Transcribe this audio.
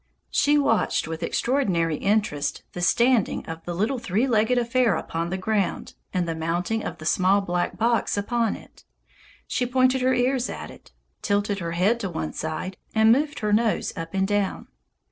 She watched with extraordinary interest the standing of the little three legged affair upon the ground and the mounting of the small black box upon it. She pointed her ears at it; tilted her head to one side and moved her nose up and down.